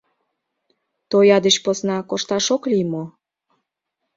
— Тоя деч посна кошташ ок лий мо?